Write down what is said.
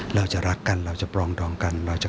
เราจะรักกันเราจะปรองดองกัน